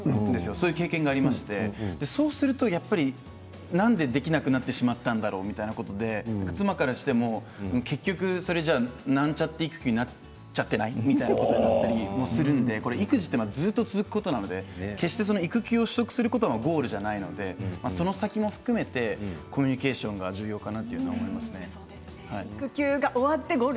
そういう経験がありましてそうするとなんでできなくなってしまったんだろうみたいなことで妻からしても結局なんちゃって育休になっちゃっていないということになったりするので育児はずっと続くことなので育休を取得することがゴールじゃないのでその先も含めてコミュニケーションが重要かなと思いますね。